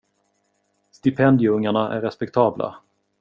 Stipendieungarna är respektabla.